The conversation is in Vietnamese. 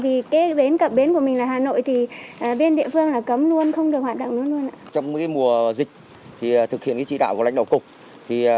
thì cái bến cập bến của mình là hà nội thì bên địa phương là cấm luôn không được hoạt động nữa luôn ạ